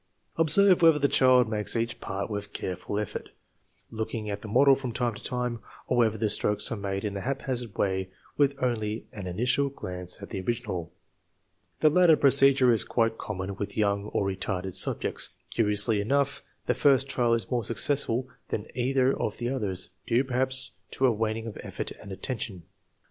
Observe whether the child makes each part with careful effort, looking at the model from time to time, or whether the strokes are made in a haphazard way with only an in itial glance at the original. The latter procedure is quite common with young or retarded subjects. Curiously enough, the first trial is more successful than either of the others, due perhaps to a waning of effort and attention.